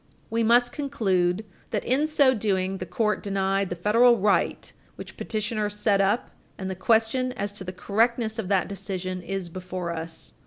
We must conclude that, in so doing, the court denied the federal right which petitioner set up and the question as to the correctness of that decision is before us.